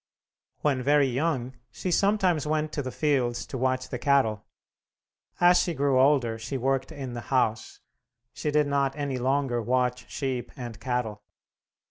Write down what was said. When very young, she sometimes went to the fields to watch the cattle. As she grew older, she worked in the house; she did not any longer watch sheep and cattle.